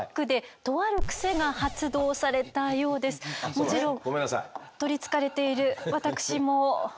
もちろん取りつかれている私も。ごめんなさい。